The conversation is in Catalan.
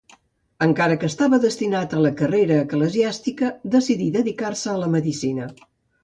Encara que estava destinat a la carrera eclesiàstica, decidí dedicar-se a la medicina.